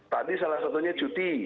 tadi salah satunya cuti